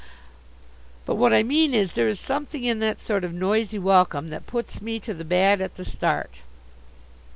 But what I mean is, there is something in that sort of noisy welcome that puts me to the bad at the start.